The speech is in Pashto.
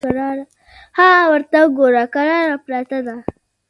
_ها ورته وګوره! کراره پرته ده.